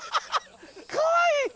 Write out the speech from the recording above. かわいい。